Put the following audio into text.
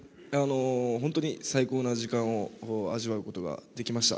本当に最高な時間を味わうことができました。